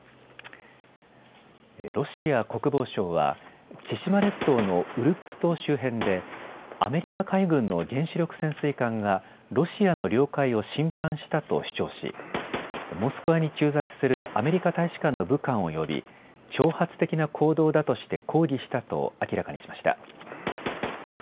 ロシア国防省は千島列島のウルップ島周辺でアメリカ海軍の原子力潜水艦がロシアの領海を侵犯したと主張しモスクワに駐在するアメリカ大使館の武官を呼び挑発的な行動だとして抗議したと明らかにしました。